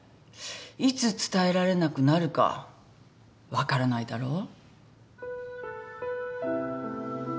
いつ伝えられなくなるか分からないだろう。